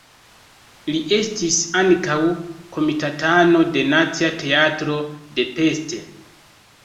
Li estis ankaŭ komitatano de Nacia Teatro de Pest.